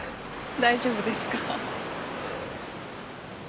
大丈夫ですか？